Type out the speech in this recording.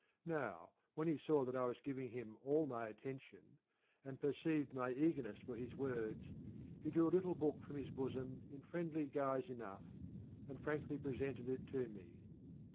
Now when he saw that I was giving him all my attention, and perceived my eagerness for his words, he drew a little book from his bosom in friendly guise enough, and frankly presented it to me.